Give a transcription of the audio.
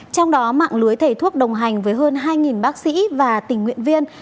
trong đó mạng lưới thầy thuốc đồng hành với hơn hai bác sĩ và tình nguyện viên